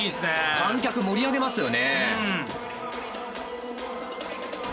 観客盛り上げますよね。